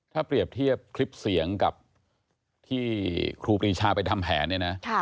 ถ้าเปรียบเทียบคลิปเสียงกับที่ครูปรีชาไปทำแผนเนี่ยนะ